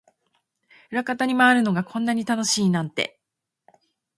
裏方に回るのがこんなに楽しいなんて